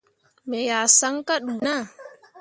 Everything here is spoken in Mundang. Me yah saŋ kah ɗuu naa.